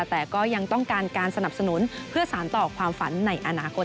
แต่ก็ยังต้องการการสนับสนุนเพื่อสารต่อความฝันในอนาคต